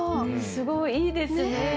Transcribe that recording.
すごいいいですね！